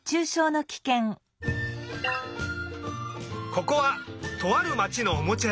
ここはとあるまちのおもちゃやさん。